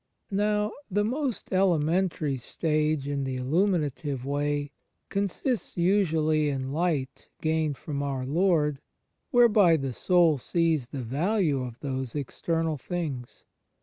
Now the most elementary stage in the lUuminative Way consists usually in light gained from our Lord whereby the soul sees the value of those external things.